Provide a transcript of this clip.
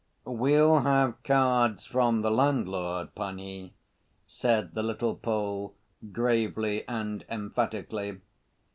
"We'll have cards from the landlord, panie," said the little Pole, gravely and emphatically.